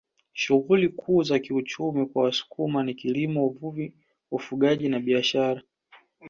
Shughuli kuu za kiuchumi kwa Wasukuma ni kilimo uvuvi ufugaji na biashara